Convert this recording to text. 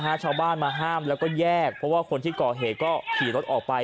ชาวบ้านมาห้ามแล้วก็แยกเพราะว่าคนที่ก่อเหตุก็ขี่รถออกไป